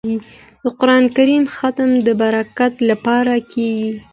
د قران کریم ختم د برکت لپاره کیږي.